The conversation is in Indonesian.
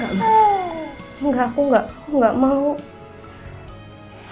kamu istimewa bijimu atau nggak mas